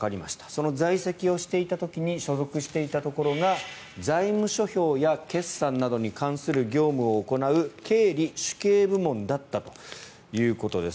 その在籍をしていた時に所属していたところが財務諸表や決算などに関する業務を行う経理・主計部門だったということです。